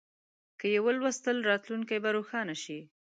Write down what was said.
که یې ولوستل، راتلونکی به روښانه شي.